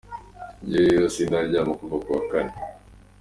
Njyewe rero sindaryama kuva kuwa kane.